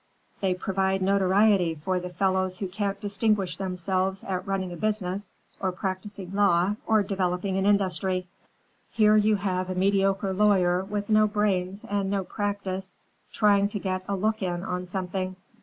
They provide notoriety for the fellows who can't distinguish themselves at running a business or practicing law or developing an industry. Here you have a mediocre lawyer with no brains and no practice, trying to get a look in on something.